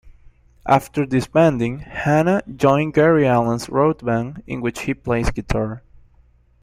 After disbanding, Hanna joined Gary Allan's road band, in which he plays guitar.